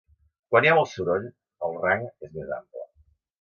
Quan hi ha molt soroll, el rang és més ample.